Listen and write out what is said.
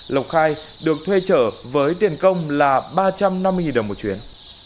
lộc khai được thuê chở với tiền công là ba trăm năm mươi đồng một chuyến